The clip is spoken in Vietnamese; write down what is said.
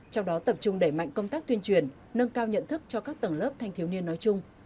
trong đó tập trung đẩy mạnh công tác tuyên truyền nâng cao nhận thức cho các tầng lớp thanh thiếu niên nói chung